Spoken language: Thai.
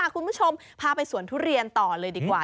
คุณผู้ชมพาไปสวนทุเรียนต่อเลยดีกว่า